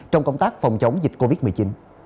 trong công tác phòng chống dịch covid một mươi chín